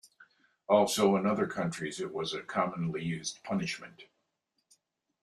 Also in other countries it was a commonly used punishment.